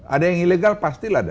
ada yang ilegal pasti ada